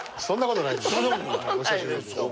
そんなことないです。